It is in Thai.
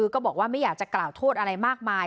ก็บอกว่าไม่อยากจะกล่าวโทษอะไรมากมาย